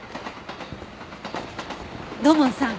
土門さん。